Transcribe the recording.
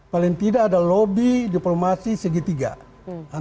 paling tidak ada lobby diplomasi segitiga